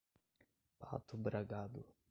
Pato Bragado